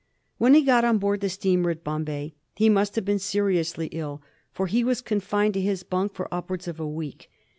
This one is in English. When he got on board the steamer at Bombay he must have been seriously ill, for he was confined to his bunk for upwards of a week.